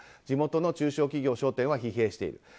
地元の中小企業、商店は疲弊している。